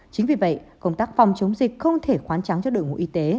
chính vì vậy công tác phòng chống dịch không thể khoán trắng cho đội ngũ y tế